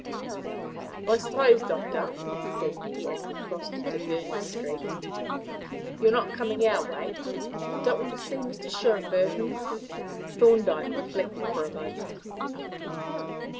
"I suppose, Doctor," said he, as we crossed into Berners Street, "you are not coming our way! Don't want to see Mr. Schönberg, h'm?" Thorndyke reflected for a moment.